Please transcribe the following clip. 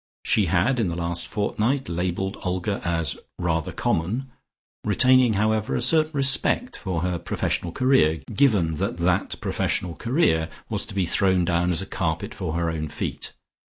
She had in the last fortnight labelled Olga as "rather common," retaining, however, a certain respect for her professional career, given that that professional career was to be thrown down as a carpet for her own feet.